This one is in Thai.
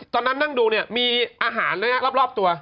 ตอนนั้นนั่งดูเนี่ยมีอาหารรอบตัว